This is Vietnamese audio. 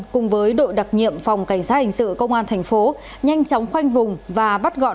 cùng với đội đặc nhiệm phòng cảnh sát hình sự công an thành phố nhanh chóng khoanh vùng và bắt gọn